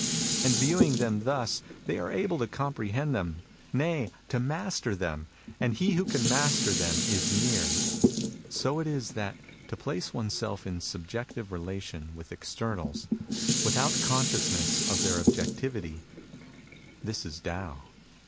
And viewing them thus they are able to comprehend them, nay, to master them ; and he who can master them is near.^ So it is that to place oneself in subjective relation with externals, without con sciousness of their objectivity, — this is Tao.